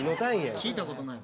聞いたことないぞ。